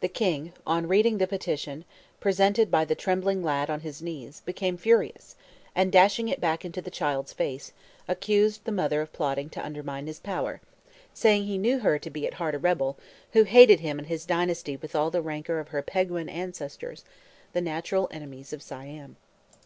The king, on reading the petition, presented by the trembling lad on his knees, became furious, and, dashing it back into the child's face, accused the mother of plotting to undermine his power, saying he knew her to be at heart a rebel, who hated him and his dynasty with all the rancor of her Peguan ancestors, the natural enemies of Siam.